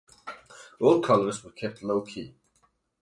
All colors were kept low key.